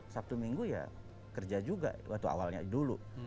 sabtu minggu ya kerja juga waktu awalnya dulu